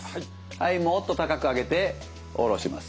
はいもっと楽しく上げて下ろします。